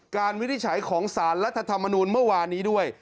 การวิทย์ใช้ของสารรัฐธรรมนุษย์เมื่อวานี้ด้วย